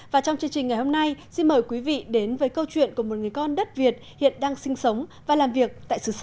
và trong chương trình ngày hôm nay xin mời quý vị đến với câu chuyện của một người con đất việt hiện đang sinh sống và làm việc tại xứ sở